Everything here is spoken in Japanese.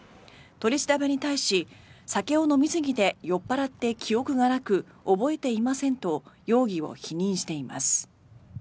取り調べに対し、酒を飲みすぎて酔っ払って記憶がなく覚えていませんと容疑を否認しています。